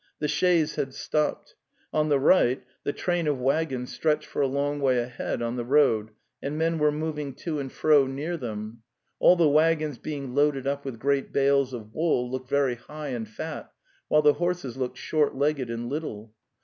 The chaise had stopped. On the right the train of wag The Steppe 212 gons stretched for a long way ahead on the road, and men were moving to and fro near them. All the waggons being loaded up with great bales of wool looked very high and fat, while the horses looked short legged and little.